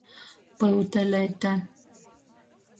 Pyuteleite.